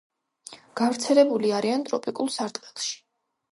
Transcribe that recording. გავრცელებული არიან ტროპიკულ სარტყელში.